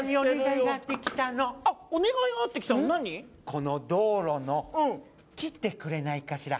この道路切ってくれないかしら